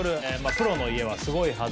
『プロの家は凄いはず！』